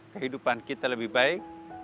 kehidupan kita lebih baik